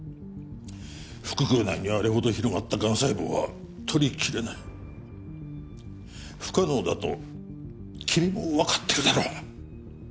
腹腔内にあれほど広がったがん細胞は取りきれない不可能だと君も分かってるだろう！？